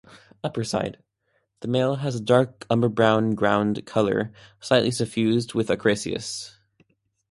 Upperside: The male has a dark umber-brown ground colour slightly suffused with ochraceous.